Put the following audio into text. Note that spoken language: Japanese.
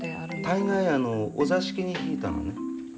大概お座敷に敷いたのね。